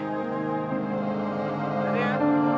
jual deh ya